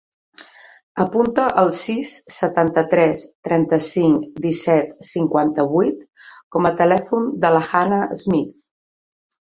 Apunta el sis, setanta-tres, trenta-cinc, disset, cinquanta-vuit com a telèfon de la Hannah Smith.